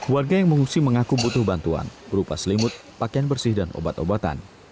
warga yang mengungsi mengaku butuh bantuan berupa selimut pakaian bersih dan obat obatan